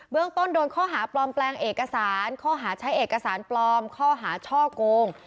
เรื่องต้นโดนข้อหาปลอมแปลงเอกสารข้อหาใช้เอกสารปลอมข้อหาช่อโกง